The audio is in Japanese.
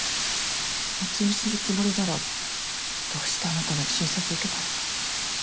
秘密にするつもりならどうしてあなたの診察受けたの？